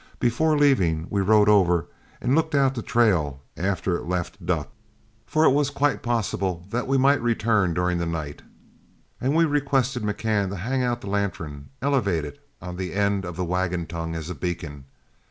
Before leaving, we rode over and looked out the trail after it left Duck, for it was quite possible that we might return during the night; and we requested McCann to hang out the lantern, elevated on the end of the wagon tongue, as a beacon.